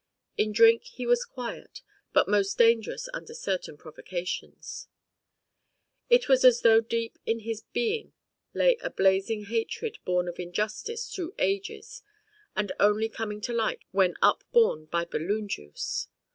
In drink he was quiet, but most dangerous under certain provocations. It was as though deep in his being lay a blazing hatred born of injustice through ages and only coming to light when upborne by balloon juice.